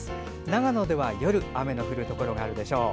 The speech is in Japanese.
長野では、夜雨の降るところがあるでしょう。